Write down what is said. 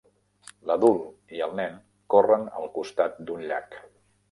L'adult i el nen corren al costat d'un llac.